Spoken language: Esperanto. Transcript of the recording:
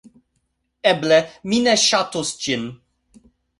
Eble, mi ne ŝatus ĝin